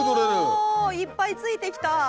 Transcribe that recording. いっぱいついてきた。